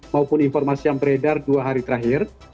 maupun informasi yang beredar dua hari terakhir